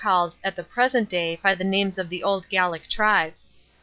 CHAP, vi, called at the present day by the names of the old Gallic tribes.